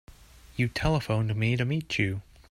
You telephoned me to meet you.